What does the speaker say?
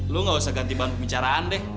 lo gak usah ganti ban pembicaraan deh